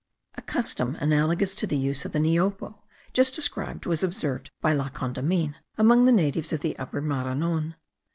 A custom analogous to the use of the niopo just described was observed by La Condamine among the natives of the Upper Maranon.